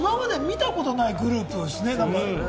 今まで見たことがないグループですね。